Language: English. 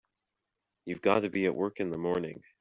You've got to be at work in the morning.